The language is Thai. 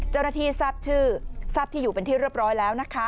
แจ้วนาทีซับชื่อซับที่อยู่เป็นที่เรียบร้อยแล้ว